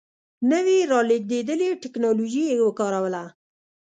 نوې رالېږدېدلې ټکنالوژي یې وکاروله.